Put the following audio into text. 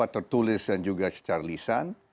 tertulis dan juga secara lisan